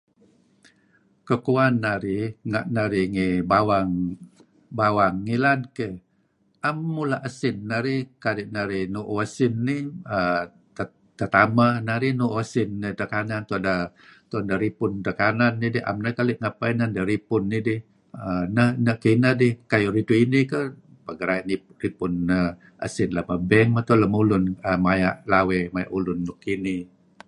Kuh kuwan narih renga' narih ngi bawang bawang ngilad keh, 'am mula' esin narih kadi' narih nu'uh esin nih err tetamah narih nu'uh esin tu'en deh tu'en deh ripun edtah kanan nidih 'am narih keli' ngapeh inan deh ripun idih . err Neh kineh dih. Neh kinih keh pegerai' ripun esin lem bank teh dulun maya' lawey ulun nuk kinih.